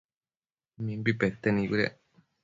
Mimbi pete nibëdec